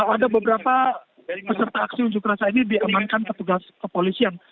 ada beberapa peserta aksi unjuk rasa ini diamankan petugas kepolisian